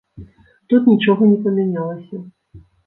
Тут нічога не памянялася.